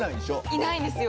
いないんですよ。